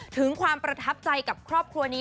ถึงความประทับใจกับครอบครัวนี้